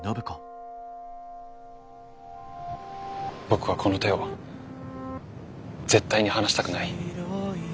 僕はこの手を絶対に離したくない。